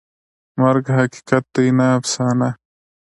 مرګ حقیقت دی، نه افسانه.